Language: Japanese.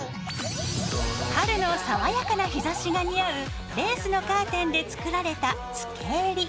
春の爽やかな日ざしが似合うレースのカーテンで作られた付けえり。